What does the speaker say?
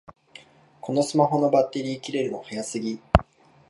このスマホのバッテリー切れるの早すぎ